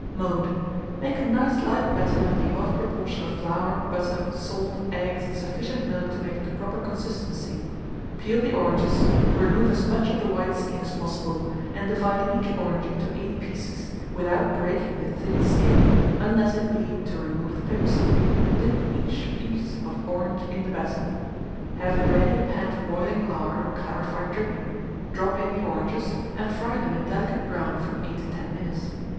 Mode. Make a nice light batter with the above proportion of flour, butter, salt, eggs, and sufficient milk to make it the proper consistency; peel the oranges, remove as much of the white skin as possible, and divide each orange into eight pieces, without breaking the thin skin, unless it be to remove the pips; dip each piece of orange in the batter. Have ready a pan of boiling lard or clarified dripping; drop in the oranges, and fry them a delicate brown from 8 to 10 minutes.